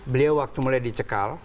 beliau waktu mulai dicekal